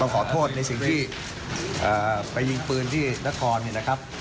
ก็ฝากต้องขอโทษในสิ่งที่เอ่อไปยิงปืนที่นครที่นะครับ